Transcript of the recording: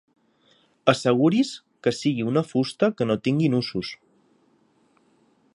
Asseguri's que sigui una fusta que no tingui nusos.